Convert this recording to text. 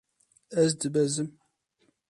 Ez dibezim.